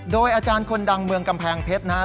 โดยอาจารย์คนดังเมืองกำแพงเพชรนะครับ